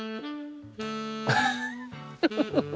フフフフ。